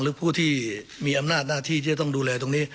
หรือผู้ที่มีอำนาจหน้าที่ที่จะต้องดูแลตรงนี้